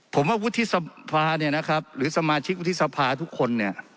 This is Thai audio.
ผมว่าวุฒิสภาหรือสมาชิกวุฒิสภาทุกคน